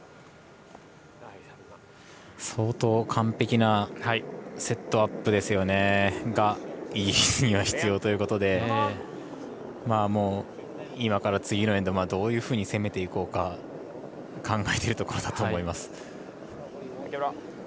相当完璧なセットアップがイギリスには必要ということでもう、今から次のエンドどういうふうに攻めていこうか考えているところだと思います。